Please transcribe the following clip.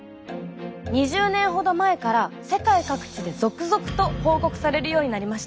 ２０年ほど前から世界各地で続々と報告されるようになりました。